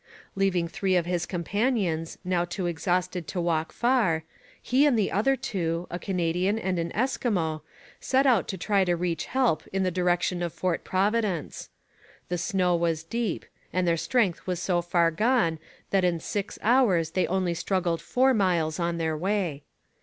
Leaving three of his companions, now too exhausted to walk far, he and the other two, a Canadian and an Eskimo, set out to try to reach help in the direction of Fort Providence. The snow was deep, and their strength was so far gone that in six hours they only struggled four miles on their way.